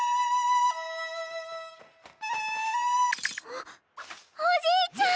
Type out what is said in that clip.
あっおじいちゃん！